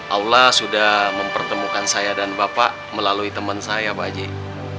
allah sudah mempertemukan saya dan bapak melalui teman saya pak aji